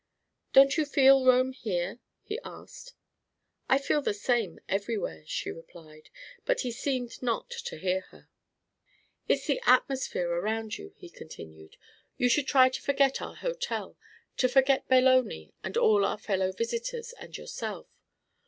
"Don't you feel Rome here?" he asked. "I feel the same everywhere," she replied. But he seemed not to hear her: "It's the atmosphere around you," he continued. "You should try to forget our hotel, to forget Belloni and all our fellow visitors and yourself.